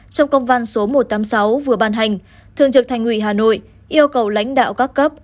trong công văn số một trăm tám mươi sáu vừa ban hành thường trực thành ủy hà nội yêu cầu lãnh đạo các cấp